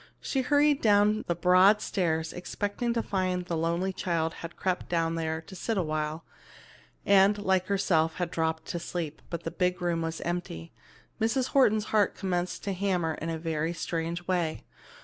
She hurried down the broad stairs, expecting to find that the lonely child had crept down there to sit awhile and, like herself, had dropped to sleep, but the big room was empty. Mrs. Horton's heart commenced to hammer in a very strange way.